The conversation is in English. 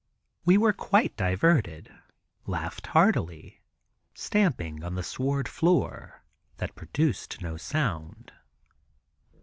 We were quite diverted, laughed heartily, stamping on the sward floor, that produced no sound.